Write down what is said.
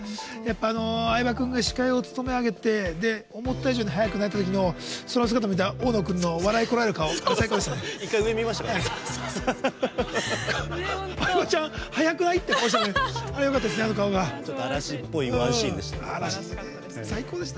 相葉君が司会を務め上げて思った以上に早く泣いたときのその姿を見た大野君の笑いをこらえる顔が最高でした。